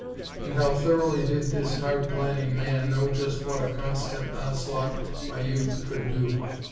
And how thoroughly did this hard planning man know just what a constant onslaught by Youth could do.